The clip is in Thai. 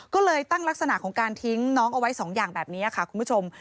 ก็เลยตั้งลักษณะของการทิ้งน้องเอาไว้๒อย่างแบบนี้ค่ะคุณผู้ชม